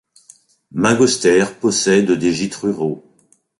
Magoster possède des gîtes ruraux.